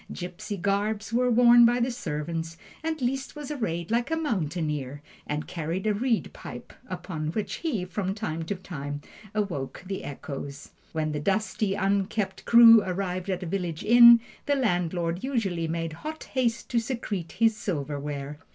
Gipsy garbs were worn by the servants, and Liszt was arrayed like a mountaineer, and carried a reed pipe, upon which he, from time to time, awoke the echoes. When the dusty, unkempt crew arrived at a village inn, the landlord usually made hot haste to secrete his silverware.